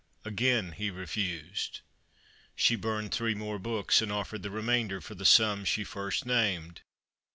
Again he refused. She burned three more books, and offered the remainder for the sum she first named.